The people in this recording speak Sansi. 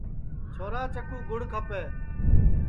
چھورا چکُو گُڑ کھپے